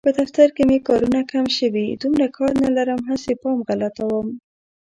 په دفتر کې مې کارونه کم شوي، دومره کار نه لرم هسې پام غلطوم.